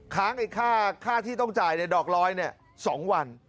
ค้างไอ้ค่าค้าที่ต้องจ่ายในดอกร้อยนเนี่ย๒วัน